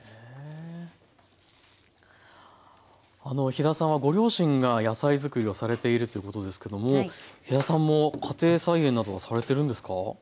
あの飛田さんはご両親が野菜作りをされているってことですけども飛田さんも家庭菜園などはされてるんですか？